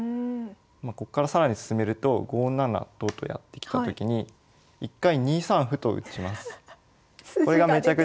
こっから更に進めると５七と金とやってきたときに一回２三歩と打ちます。